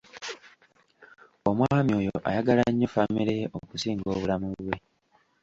Omwami oyo ayagala nnyo famire ye okusinga obulamu bwe.